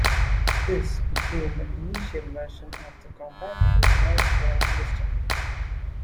This became the initial version of the Compatible Time-Sharing System.